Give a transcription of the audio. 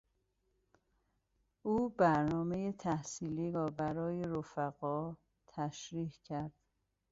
او برنامهٔ تحصیلی را برای رفقاء تشریح کرد.